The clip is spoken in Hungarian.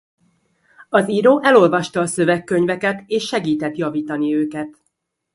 Az író elolvasta a szövegkönyveket és segített javítani őket.